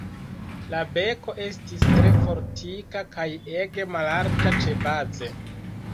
La beko estis tre fortika kaj ege mallarĝa ĉebaze.